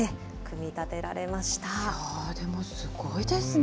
でもすごいですね。